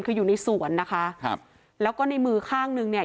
คืออยู่ในสวนนะคะครับแล้วก็ในมือข้างนึงเนี่ย